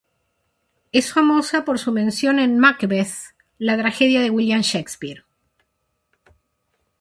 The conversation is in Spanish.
Es famosa por su mención en Macbeth, la tragedia de William Shakespeare.